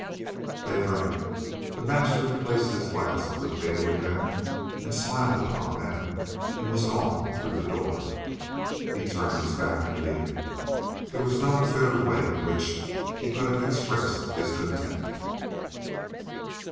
They drank; the master placed his glass on the table again, smiled upon them, and was gone through the door. He turned his back in leaving. There was no fitter way in which he could have expressed his contempt.